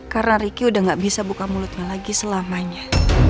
karena riki udah gak bisa buka mulutnya lagi selamanya